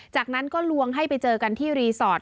จากนั้นก็ลวงให้ไปเจอกันที่รีสอร์ท